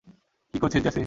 কি করছিস, জ্যাসি?